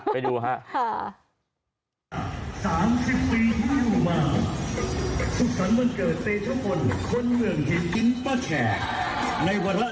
ไปดูค่ะ